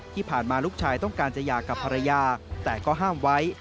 ที่ผ่านมาลูกชายต้องการจะหย่ากับภรรยาแต่ก็ห้ามไว้